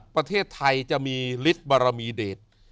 ประเทศไทยจะมีฤทธิ์บารมีเดช